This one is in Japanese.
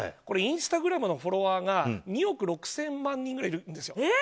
インスタグラムのフォロワーが２億６０００万人ぐらいいるんですよ。